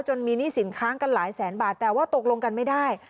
จนมีหนี้สินค้างกันหลายแสนบาทแต่ว่าตกลงกันไม่ได้